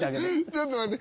ちょっと待って。